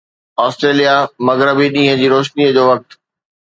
Australia مغربي ڏينهن جي روشني جو وقت